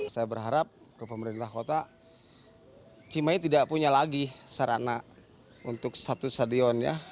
saya berharap ke pemerintah kota cimahi tidak punya lagi sarana untuk satu stadion ya